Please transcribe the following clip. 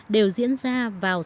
đều diễn ra vào